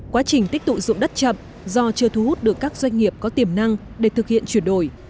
quá trình tích tụ dụng đất chậm do chưa thu hút được các doanh nghiệp có tiềm năng để thực hiện chuyển đổi